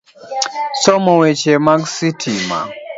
Somo weche mag sitima,